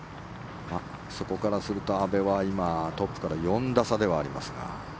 そこからすると阿部は今トップから４打差ではありますが。